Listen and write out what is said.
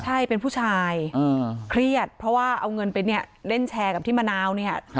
ใช่เป็นผู้ชายเครียดเพราะว่าเอาเงินไปเนี่ยเล่นแชร์กับที่มะนาวเนี่ย